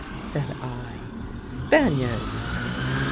said I. 'Spaniards?'